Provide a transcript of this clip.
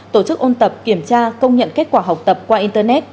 tổ chức ôn tập kiểm tra công nhận kết quả học tập qua internet